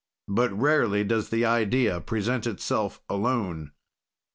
"But rarely does the idea present itself alone.